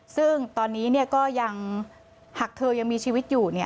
ซึ่งตอนนี้ก็ยังหากเธอยังมีชีวิตอยู่